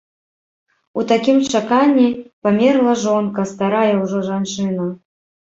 У такім чаканні памерла жонка, старая ўжо жанчына.